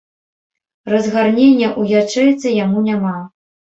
Разгарнення ў ячэйцы яму няма.